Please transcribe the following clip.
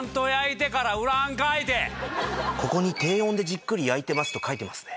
ここに「低温でじっくり焼いてます」と書いてますね。